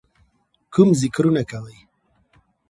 کوم ذِکرونه کوئ،